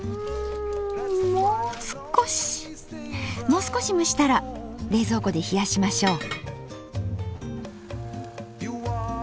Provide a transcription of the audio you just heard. もう少し蒸したら冷蔵庫で冷やしましょう。